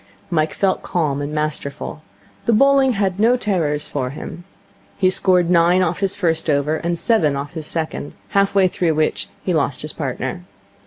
Mike felt calm and masterful. The bowling had no terrors for him. He scored nine off his first over and seven off his second, half way through which he lost his partner.